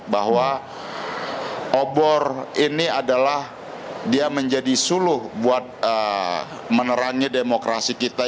bahwa obor ini adalah dia menjadi suluh buat menerangi demokrasi kita